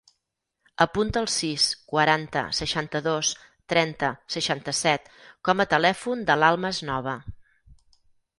Apunta el sis, quaranta, seixanta-dos, trenta, seixanta-set com a telèfon de l'Almas Nova.